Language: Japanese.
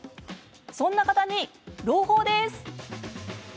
そんな方に朗報です。